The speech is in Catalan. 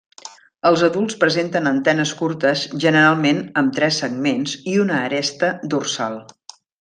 Els adults presenten antenes curtes, generalment amb tres segments i una aresta dorsal.